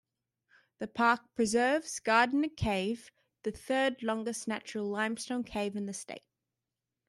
The park preserves Gardner Cave, the third longest natural limestone cave in the state.